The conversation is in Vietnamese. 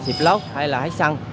xịt lốc hay là hết xăng